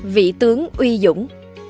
vị tướng uy dũng